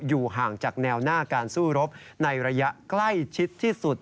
อยู่ห่างจากแนวหน้าการสู้รบในระยะใกล้ชิดที่สุด